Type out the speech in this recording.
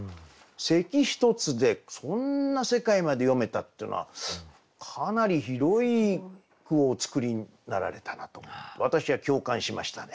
「咳ひとつ」でそんな世界まで詠めたっていうのはかなり広い句をお作りになられたなと私は共感しましたね。